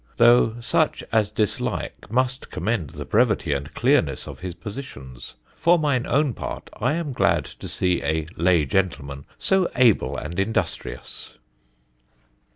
though such as dislike must commend the brevity and clearness of his Positions. For mine own part, I am glad to see a Lay Gentleman so able and industrious."